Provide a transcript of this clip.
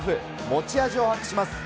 持ち味を発揮します。